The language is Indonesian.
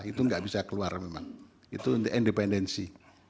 itu enggak bisa keluar memang itu independensi